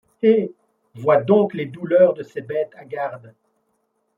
Eh ! vois donc les douleurs de ces bêtes hagardes !